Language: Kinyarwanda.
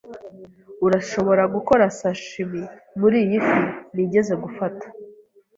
Urashobora gukora sashimi muriyi fi nigeze gufata?